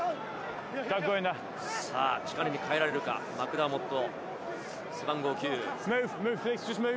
力に変えられるか、マクダーモット、背番号９。